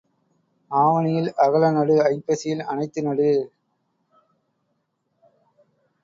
ஆவணியில் அகல நடு ஐப்பசியில் அனைத்து நடு.